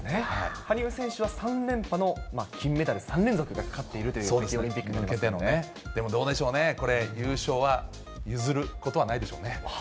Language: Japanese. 羽生選手は３連覇の、金メダル３連続がかかっているという、でもどうでしょうね、これ、優勝はゆずることはないでしょうね。